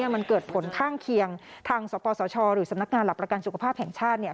มันเกิดผลข้างเคียงทางสปสชหรือสำนักงานหลักประกันสุขภาพแห่งชาติ